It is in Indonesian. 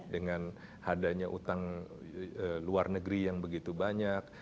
dengan adanya utang luar negeri yang begitu banyak